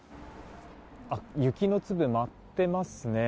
雪の粒が舞っていますね。